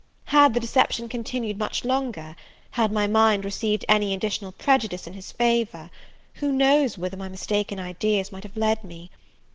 Had the deception continued much longer, had my mind received any additional prejudice in his favour, who knows whither my mistaken ideas might have led me?